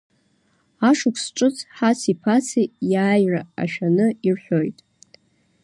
Ашықәс ҿыц Ҳаци-Ԥаци иааира ашәаны ирҳәоит.